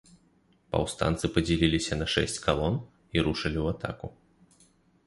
Паўстанцы падзяліліся на шэсць калон і рушылі ў атаку.